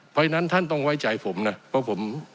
เพราะฉะนั้นท่านต้องไว้ใจผมนะเพราะผม